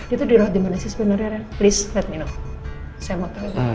dia tuh di roti mana sih sebenarnya please let me know saya mau tau